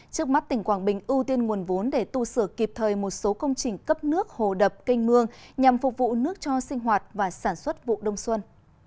trước mắt tỉnh quảng bình ưu tiên nguồn vốn để tu sửa kịp thời một số công trình cấp nước hồ đập canh mương nhằm phục vụ nước cho sinh hoạt và sản xuất vụ đông xuân